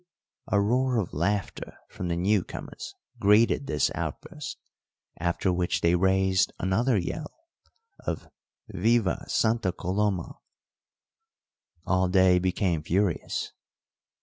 A roar of laughter from the new comers greeted this outburst, after which they raised another yell of "Viva Santa Colomal!" Alday became furious.